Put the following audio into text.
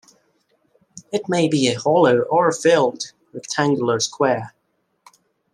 It may be a hollow or filled rectangle or square.